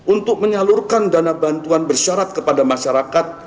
untuk menyalurkan dana bantuan bersyarat kepada masyarakat